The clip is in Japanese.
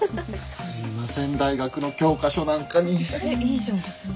すいません大学の教科書なんかに。